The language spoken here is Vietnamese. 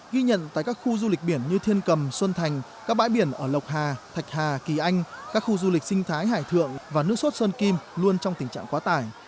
ghi nhận tại các khu du lịch biển như thiên cầm xuân thành các bãi biển ở lộc hà thạch hà kỳ anh các khu du lịch sinh thái hải thượng và nước sốt sơn kim luôn trong tình trạng quá tải